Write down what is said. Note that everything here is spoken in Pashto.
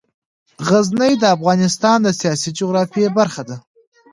غزني د افغانستان د سیاسي جغرافیه برخه ده.